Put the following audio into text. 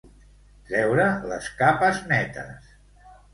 Treure les capes netes.